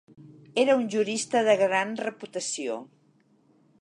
Era un jurista de gran reputació.